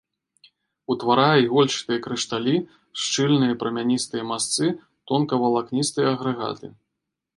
Утварае ігольчатыя крышталі, шчыльныя прамяністыя масцы, тонкавалакністыя агрэгаты.